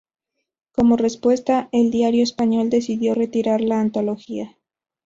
Como respuesta, el diario español decidió retirar la antología.